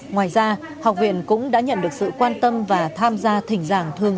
ngoài ra học viện cũng đã nhận được sự quan tâm và tham gia thỉnh giảng thương